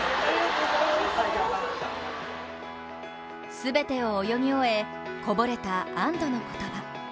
全てを泳ぎ終え、こぼれた安どの言葉。